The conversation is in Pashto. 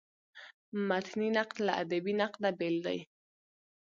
متني نقد له ادبي نقده بېل دﺉ.